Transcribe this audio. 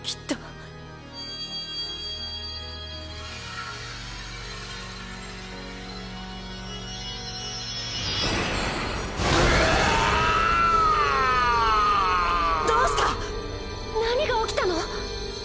ぐわ‼どうした⁉何が起きたの？